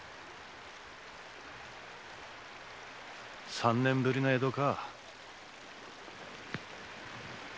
三年ぶりの江戸か。